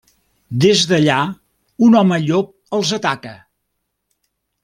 Des d'allà, un home- llop els ataca.